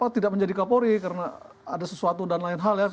tidak menjadi kapolri karena ada sesuatu dan lain hal ya